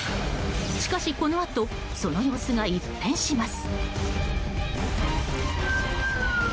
しかし、このあとその様子が一変します。